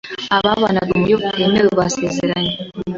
ababanaga mu buryo butemewe basezeranye